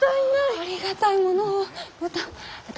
ありがたいものをうた。